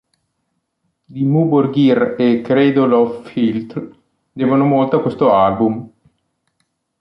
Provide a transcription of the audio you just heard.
Dimmu Borgir e Cradle of Filth devono molto a questo album".